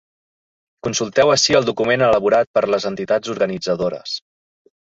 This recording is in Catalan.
Consulteu ací el document elaborat per les entitats organitzadores.